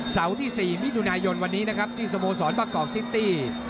ที่๔มิถุนายนวันนี้นะครับที่สโมสรประกอบซิตี้